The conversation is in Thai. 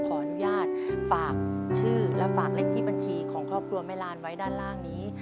ขออนุญาตฝากชื่อและฝากเลขที่บัญชีของครอบครัวแม่ลานไว้ด้านล่างนี้